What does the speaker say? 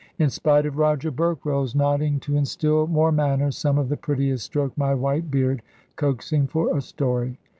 In spite of Roger Berkrolles nodding to instil more manners, some of the prettiest stroke my white beard, coaxing for a story.